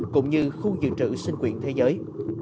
cũng như khu dự trữ sinh quyền thế giới